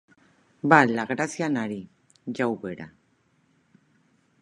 Val la gràcia anar-hi, ja ho veurà.